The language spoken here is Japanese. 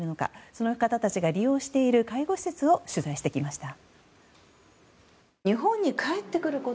その方たちが利用している介護施設を取材してきました。